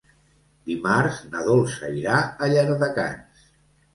Dimarts na Dolça irà a Llardecans.